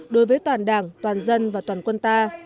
đối với toàn đảng toàn dân và toàn quân ta